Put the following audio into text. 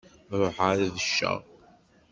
Ṛuḥeɣ ad d-becceɣ.